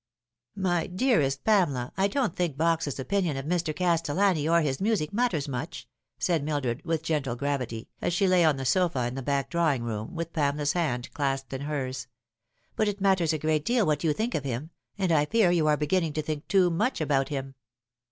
" My dearest Pamela, I don't think Box's opinion of Mr. Castellani or his music matters much," said Mildred, with gentle gravity, as she lay on the sofa in the back drawing room, with Pamela's hand clasped in hers ;" but it matters a great deal what you think of him, and I fear you are beginning to think too much about him."